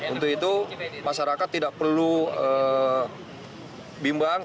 untuk itu masyarakat tidak perlu bimbang